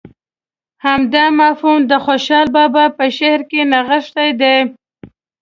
همدا مفهوم د خوشحال بابا په شعر کې نغښتی دی.